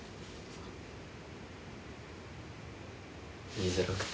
言いづらくて。